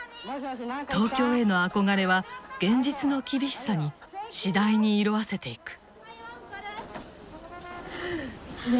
東京への憧れは現実の厳しさに次第に色あせていく。